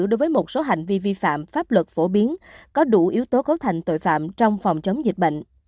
đối với một số hành vi vi phạm pháp luật phổ biến có đủ yếu tố cấu thành tội phạm trong phòng chống dịch bệnh